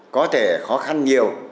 có thể khó khăn nhiều